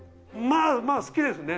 まぁ好きですね。